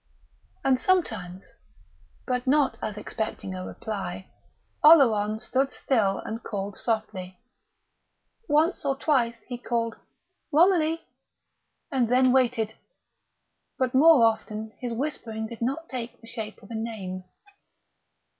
And sometimes, but not as expecting a reply, Oleron stood still and called softly. Once or twice he called "Romilly!" and then waited; but more often his whispering did not take the shape of a name.